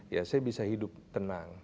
ya saya bisa hidup tenang